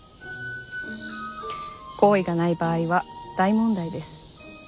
好意がない場合は大問題です。